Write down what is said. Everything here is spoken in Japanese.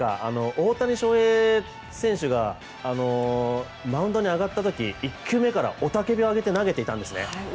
大谷翔平選手がマウンドに上がった時１球目から雄たけびを上げて投げていたんですよね。